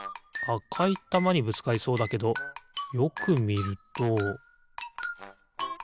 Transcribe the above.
あかいたまにぶつかりそうだけどよくみるとずれてる？